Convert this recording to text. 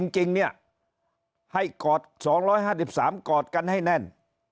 จริงเนี่ยให้กอด๒๕๓กอดกันให้แน่น